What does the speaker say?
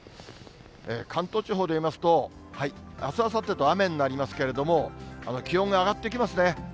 関東地方で言いますと、あす、あさってと雨になりますけれども、気温が上がってきますね。